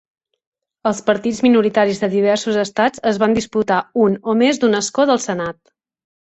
Els partits minoritaris de diversos estats es van disputar un o més d'un escó del Senat.